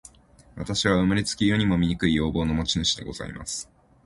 私は生れつき、世にも醜い容貌の持主でございます。